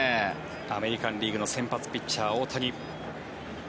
アメリカン・リーグの先発ピッチャー、大谷。